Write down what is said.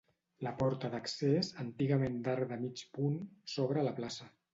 La porta d'accés, antigament d'arc de mig punt, s'obre a la plaça.